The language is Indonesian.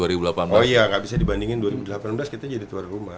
oh iya nggak bisa dibandingin dua ribu delapan belas kita jadi tuan rumah